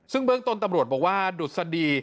ซึ่งเบื้องต้นตำรวจบอกว่าดุษฎี